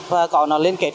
và người nào cho thuê xe